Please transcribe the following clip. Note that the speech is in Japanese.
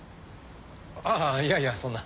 ああいやいやそんな。